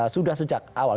sudah sejak awal